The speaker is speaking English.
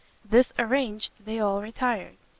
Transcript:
This arranged, they all retired.